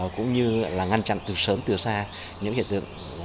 cũng như là ngăn chặn từ sớm từ xa những hiện tượng